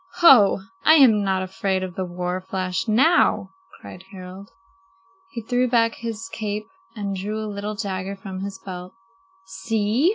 "Ho, I am not afraid of the war flash now," cried Harald. He threw back his cape and drew a little dagger from his belt. "See!"